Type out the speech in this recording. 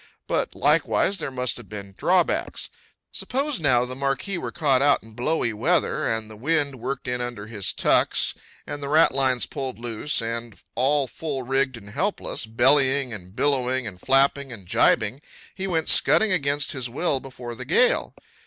But likewise there must have been drawbacks. Suppose, now, the marquis were caught out in blowy weather and the wind worked in under his tucks and the ratlines pulled loose and, all full rigged and helpless, bellying and billowing and flapping and jibing, he went scudding against his will before the gale.